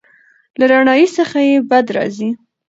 له رڼایي څخه یې بدې راځي.